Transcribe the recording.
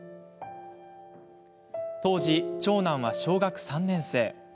当時、長男は小学３年生。